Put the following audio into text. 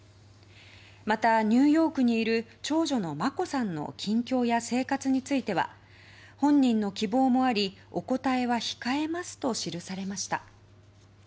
また、ニューヨークにいる長女の眞子さんの近況や生活については本人の希望もありお答えは控えますと記されました。